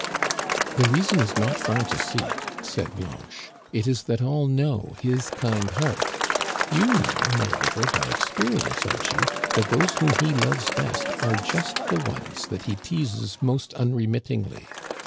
The reason is not far to seek," said Blanche. " It is that all know his kind heart. You know, moreover, by experience, Archie, that those whom he loves best are just the ones that he teases most unremittingly.